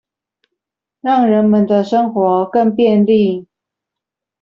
讓人們的生活更便利